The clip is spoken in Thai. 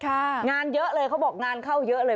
งานเยอะเลยเขาบอกงานเข้าเยอะเลย